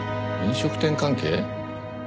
飲食店関係？